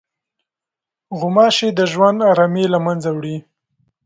غوماشې د ژوند ارامي له منځه وړي.